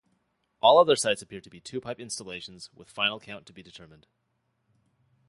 All other sites appear to be two-pipe installations with final count to be determined.